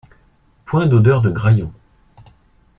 Point d'odeur de graillon.